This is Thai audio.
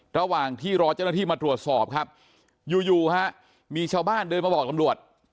ระหว่างที่รอเจ้าหน้าที่มาตรวจสอบครับอยู่อยู่ฮะมีชาวบ้านเดินมาบอกตำรวจ